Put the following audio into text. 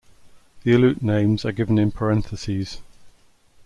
The Aleut names are given in parentheses.